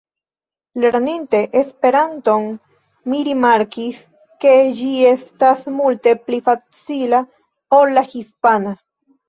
Lerninte Esperanton mi rimarkis, ke ĝi estas multe pli facila ol la hispana.